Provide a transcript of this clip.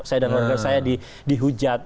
saya dan warga saya dihujat